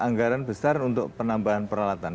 anggaran besar untuk penambahan peralatan